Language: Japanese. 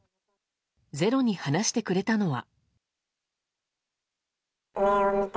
「ｚｅｒｏ」に話してくれたのは。